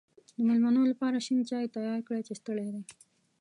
د مېلمنو لپاره شین چای تیار کړی چې ستړی دی.